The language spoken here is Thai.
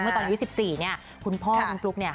แต่อยู่๑๔เนี่ยคุณพ่อคุณกลุ๊กแน่